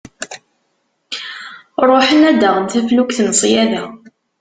Ruḥen ad d-aɣen taflukt n ssyaḍa.